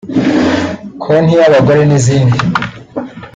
konti y’abagore n’izindi